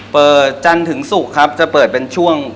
เปิดจันทร์ถึงศุกร์ครับจะเปิดเป็นช่วง